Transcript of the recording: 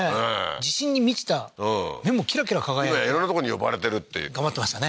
自信に満ちた目もキラキラ輝いて今や色んなとこに呼ばれてるって頑張ってましたね